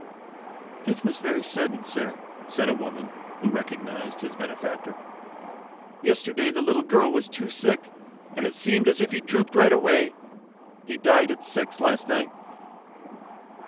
"It was very sudden, sir," said a woman, who recognized his benefactor. "Yesterday the little girl was took sick and it seemed as if he drooped right away. He died at six last night."